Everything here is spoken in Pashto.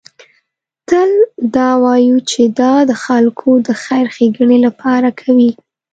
تل دا وایو چې دا د خلکو د خیر ښېګڼې لپاره کوو.